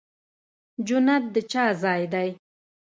جنت د چا ځای دی؟